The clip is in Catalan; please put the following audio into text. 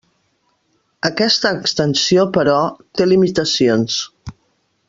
Aquesta extensió, però, té limitacions.